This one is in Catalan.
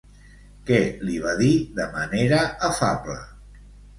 Què li va dir, de manera afable?